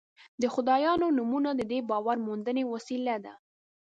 د خدایانو نومونه د دې باور موندنې وسیله ده.